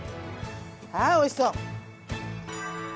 あおいしそう！